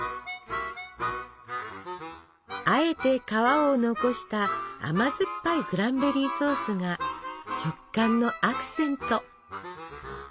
あえて皮を残した甘酸っぱいクランベリーソースが食感のアクセント！